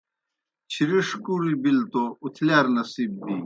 چِھرِݜ کُریْ بِلیْ توْ اُتھلِیار نصیب بِینیْ